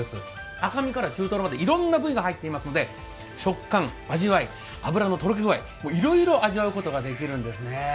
赤身から中トロまでいろんな部位が入っているので、食感、脂のとろけ具合、いろいろ味わうことができます。